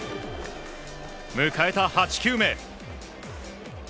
迎えた８球目。